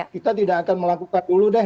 kita tidak akan melakukan dulu deh